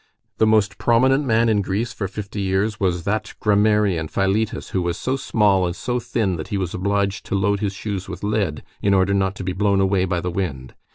The most prominent man in Greece for fifty years was that grammarian Philetas, who was so small and so thin that he was obliged to load his shoes with lead in order not to be blown away by the wind.